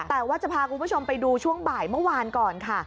แต่ว่าจะพาคุณผู้ชมไปดูช่วงบ่ายเมื่อวานก่อนค่ะ